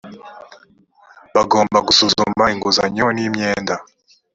bagomba gusuzuma inguzanyo n’imyenda